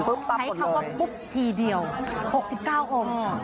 ใช้คำว่าปุ๊บทีเดียว๖๙องค์